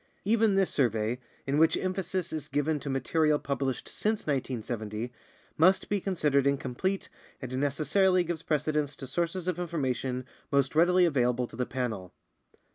Even this survey, in which emphasis is given to material published since 1970, must be considered incomplete and necessarily gives precedence to sources of information most readily available to the Panel.